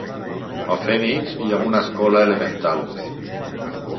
A Phoenix hi ha una escola elemental.